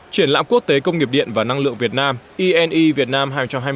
triển lãm quốc tế công nghiệp điện và năng lượng việt nam e việt nam hai nghìn hai mươi bốn